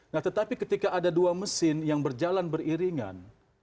nah tetapi ketika ada dua mesin yang berjalan beriringan